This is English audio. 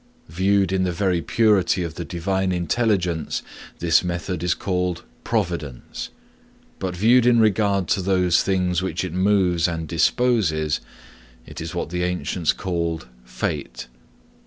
Viewed in the very purity of the Divine intelligence, this method is called providence; but viewed in regard to those things which it moves and disposes, it is what the ancients called fate.